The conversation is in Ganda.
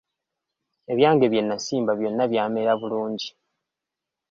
Ebyange bye nnasimba byonna byamera bulungi.